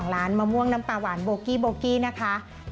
๒ล้านมะม่วงน้ำปลาหวานโบคิโบคินะคะ